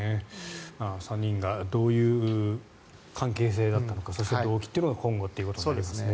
３人がどういう関係性だったのかそして動機というのが今後ということになりますね。